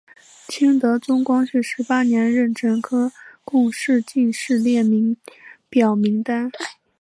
清德宗光绪十八年壬辰科贡士进士列表名单。